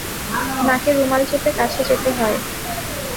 নাকে রুমাল চেপে কাছে যেতে হয়।